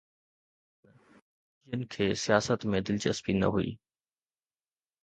اهي نوجوان جن کي سياست ۾ دلچسپي نه هئي.